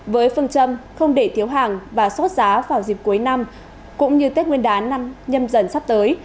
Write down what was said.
với phương châm không để thiếu hàng và sốt giá vào dịp cuối năm cũng như tết nguyên đán nhâm dần sắp tới